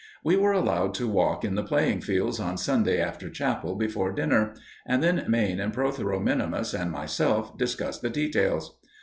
We were allowed to walk in the playing fields on Sunday after chapel before dinner, and then Mayne and Protheroe minimus and myself discussed the details.